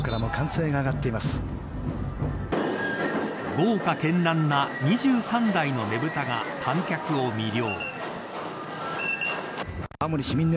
豪華絢爛な２３台のねぶたが観客を魅了。